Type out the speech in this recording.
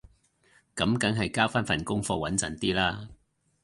噉梗係交返份功課穩陣啲啦